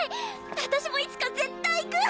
私もいつか絶対行く！